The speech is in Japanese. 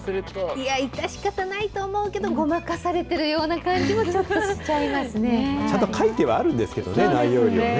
いや、致し方ないとは思うけど、ごまかされてるような感じもちゃんと書いてはあるんです